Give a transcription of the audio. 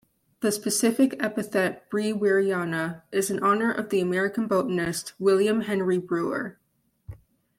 The specific epithet "breweriana" is in honor of the American botanist William Henry Brewer.